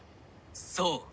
そう。